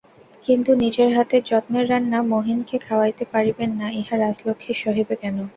কিন্তু নিজের হাতের যত্নের রান্না মহিনকে খাওয়াইতে পারিবেন না, ইহা রাজলক্ষ্মীর সহিবে কেন।